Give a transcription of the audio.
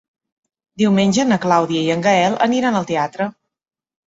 Diumenge na Clàudia i en Gaël aniran al teatre.